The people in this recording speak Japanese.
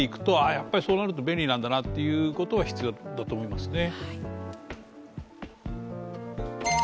やっぱりそうなると便利なんだなということが必要だと思いますね。